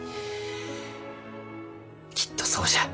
きっとそうじゃ。